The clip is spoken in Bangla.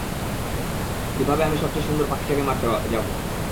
কিভাবে আমি সবচেয়ে সুন্দর পাখিটাকে মারতে যাবো?